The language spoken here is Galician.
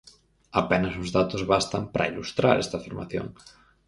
Apenas uns datos bastan para ilustrar esta afirmación.